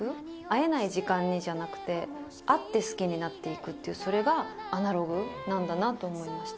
会えない時間にじゃなくて、会って好きになっていくっていう、それが、アナログなんだなと思いました。